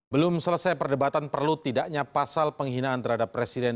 belum selesai perdebatan perlu tidaknya pasal penghinaan terhadap presiden